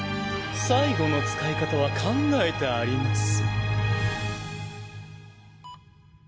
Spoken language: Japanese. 最後の使い方は考えてあります。